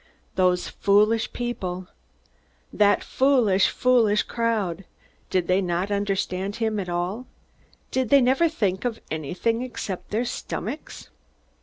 Those foolish people! That foolish, foolish crowd! They did not understand him at all. Did they never think of anything except their stomachs?